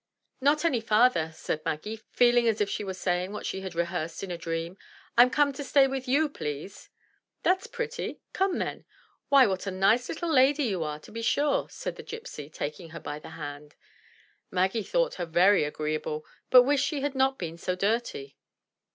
"Not any farther," said Maggie, feeling as if she were saying what she had rehearsed in a dream. " Fm come to stay with you, please." "That's pretty; come then. Why, what a nice little lady you are to be sure!" said the gypsy, taking her by the hand. Maggie thought her very agreeable, but wished she had not been so dirty.